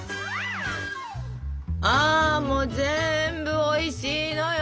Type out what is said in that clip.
あもう全部おいしいのよ！